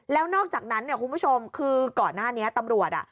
แล้วนอกจากนั้นเนี่ยคุณผู้ชมคือก่อนหน้านี้ตำรวจ